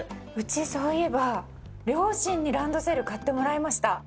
うちそういえば両親にランドセル買ってもらいました。